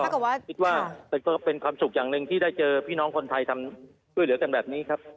คิดว่าคิดว่าเป็นความสุขอย่างหนึ่งที่ได้เจอพี่น้องคนไทยทำช่วยเหลือกันแบบนี้ครับ